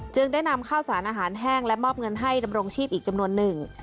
ได้นำข้าวสารอาหารแห้งและมอบเงินให้ดำรงชีพอีกจำนวนหนึ่ง